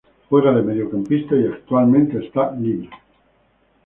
Juega de mediocampista y actualmente está libre.